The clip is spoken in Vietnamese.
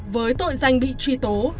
với tội danh bị truy tố